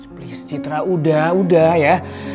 plus citra udah udah ya